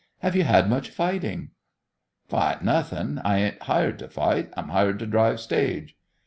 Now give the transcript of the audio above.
Have you had much fighting?" "Fight nothin'. I ain't hired to fight. I'm hired to drive stage."